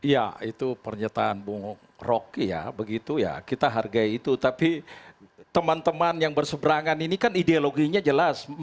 ya itu pernyataan bung rocky ya begitu ya kita hargai itu tapi teman teman yang berseberangan ini kan ideologinya jelas